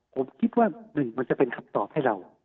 ผมคิดว่าหนึ่งมันจะเป็นคำตอบให้เรา